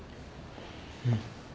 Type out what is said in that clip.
うん。